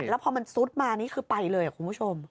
แล้วพอมันซุดมานี่คือไปเลยคุณผู้ชม